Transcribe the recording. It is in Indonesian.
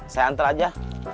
saya antar aja